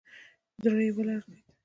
زړه يې ولړزېد.